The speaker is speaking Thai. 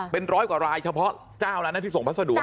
เป็นร้อยกว่ารายเฉพาะเจ้าแล้วนะที่ส่งพัสดุ